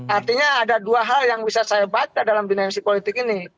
artinya ada dua hal yang bisa saya baca dalam dinami politik ini